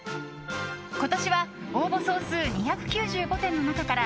今年は応募総数２９５点の中から